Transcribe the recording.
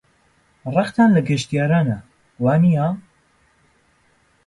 ڕقتان لە گەشتیارانە، وانییە؟